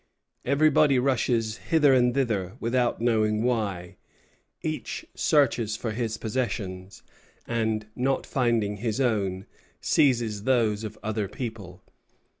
Everybody rushes hither and thither, without knowing why. Each searches for his possessions, and, not finding his own, seizes those of other people.